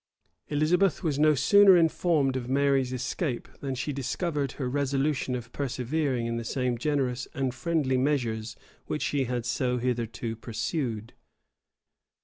Elizabeth was no sooner informed of Mary's escape, than she discovered her resolution of persevering in the same generous and friendly measures which she had hitherto pursued.